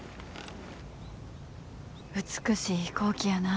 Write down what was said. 美しい飛行機やな。